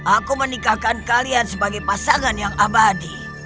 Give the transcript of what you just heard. aku menikahkan kalian sebagai pasangan yang abadi